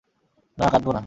না,,, কাদবো না।